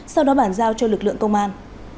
sau đó bản giao cho lực lượng công an